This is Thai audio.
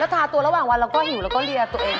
ทาตัวระหว่างวันเราก็หิวแล้วก็เรียตัวเอง